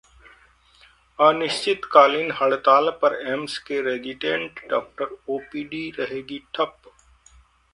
अनिश्चितकालीन हड़ताल पर एम्स के रेजिडेंट डॉक्टर, ओपीडी रहेगी ठप